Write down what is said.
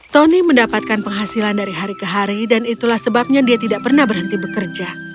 tony mendapatkan penghasilan dari hari ke hari dan itulah sebabnya dia tidak pernah berhenti bekerja